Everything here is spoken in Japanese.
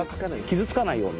傷つかないように。